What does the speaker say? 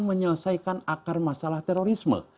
menyelesaikan akar masalah terorisme